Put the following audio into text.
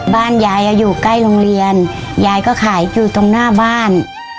บ้านยายอยู่ใกล้โรงเรียนยายก็ขายอยู่ตรงหน้าบ้าน